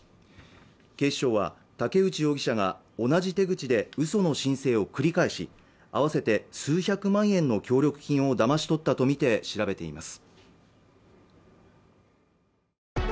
警視庁は竹内容疑者が同じ手口でうその申請を繰り返し合わせて数百万円の協力金をだまし取ったと見て調べています